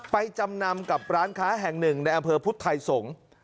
จำนำกับร้านค้าแห่งหนึ่งในอำเภอพุทธไทยสงศ์